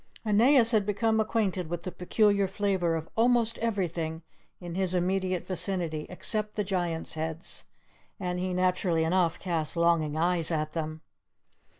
Aeneas had become acquainted with the peculiar flavour of almost everything in his immediate vicinity except the Giant's heads; and he naturally enough cast longing eyes at them.